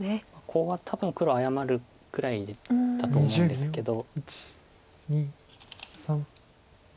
コウは多分黒謝るくらいだと思うんですけど。